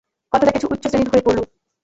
কথাটা কিছু উচ্চশ্রেণীর হয়ে পড়ল।